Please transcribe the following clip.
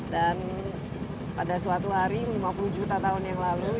dan pada suatu hari lima puluh juta tahun yang lalu